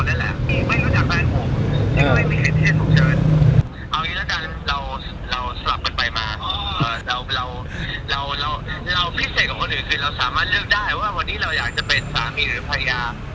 เราพิเศษกับคนอื่นคือเราสามารถเลือกได้ว่าจะกับสามีหรือพระญา